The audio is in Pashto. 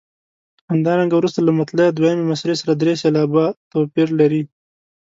همدارنګه وروسته له مطلع دویمې مصرع سره درې سېلابه توپیر لري.